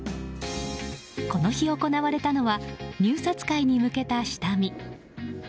この日、行われたのは入札会に向けた下見。